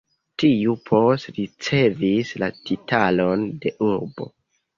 Tiu poste ricevis la titolon de urbo kaj iĝis Ciudad Real.